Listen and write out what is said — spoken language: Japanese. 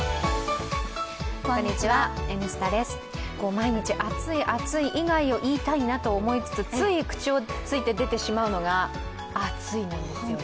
毎日暑い、暑い以外を言いたいなと思いつつ、つい口をついて出てしまうのが「暑い」なんですよね。